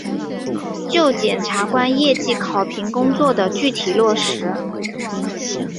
就检察官业绩考评工作的具体落实